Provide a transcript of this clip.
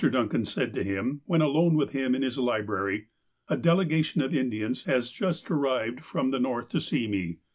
Duncan said to him, when alone with him in hia library : ''A delegation of Indians has just arrived from the North to see me.